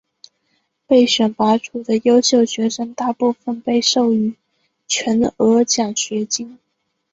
被选拔出的优秀学生大部分被授予全额奖学金。